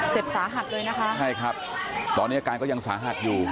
สาหัสเลยนะคะใช่ครับตอนนี้อาการก็ยังสาหัสอยู่